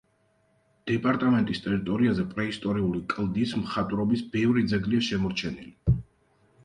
დეპარტამენტის ტერიტორიაზე პრეისტორიული კლდის მხატვრობის ბევრი ძეგლია შემორჩენილი.